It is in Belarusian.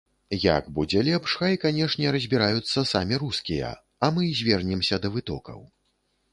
Як будзе лепш, хай, канешне, разбіраюцца самі рускія, а мы звернемся да вытокаў.